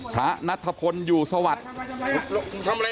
พระนัทพลอยู่สวัสดิ์